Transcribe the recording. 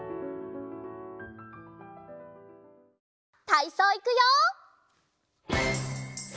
たいそういくよ！